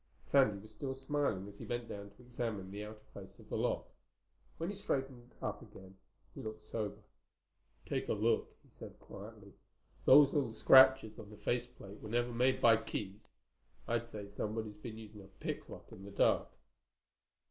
Sandy was still smiling as he bent down to examine the outer face of the lock. When he straightened again he looked sober. "Take a look," he said quietly. "Those little scratches on the face plate were never made by keys. I'd say somebody's been using a picklock in the dark."